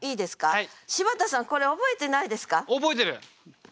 はい。